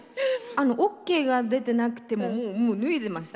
ＯＫが出てなくてももう脱いでましたから。